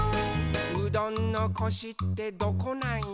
「うどんのコシってどこなんよ？」